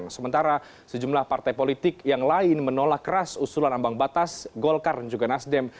sementara sejumlah partai politik yang lain menolak keras usulan ambang batas golkar dan juga nasdem